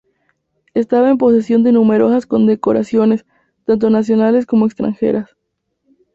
Estaba en posesión de numerosas condecoraciones, tanto nacionales como extranjeras.